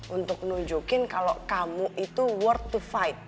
untuk nunjukin kalo kamu itu worth to fight